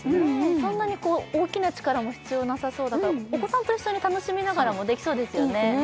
そんなにこう大きな力も必要なさそうだからお子さんと一緒に楽しみながらもできそうですよね